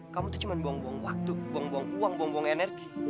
kamu tuh cuma buang buang waktu buang buang uang buang buang energi